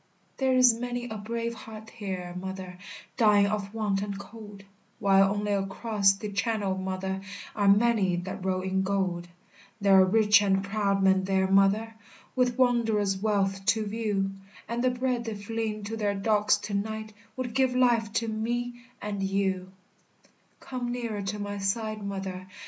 There is many a brave heart here, mother, Dying of want and cold, While only across the Channel, mother, Are many that roll in gold; There are rich and proud men there, mother, With wondrous wealth to view, And the bread they fling to their dogs to night Would give life to me and you. Come nearer to my side, mother.